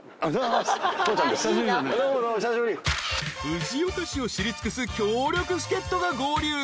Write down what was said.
［藤岡市を知り尽くす強力助っ人が合流］